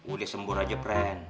udah sembur aja keren